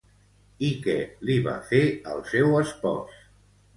I què li va fer el seu espòs?